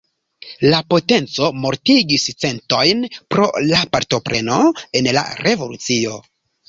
La potenco mortigis centojn pro la partopreno en la revolucio.